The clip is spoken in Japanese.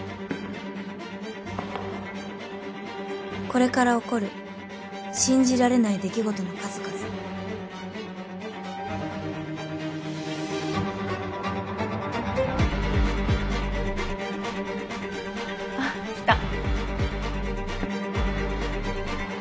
これから起こる信じられない出来事の数々あっ来た。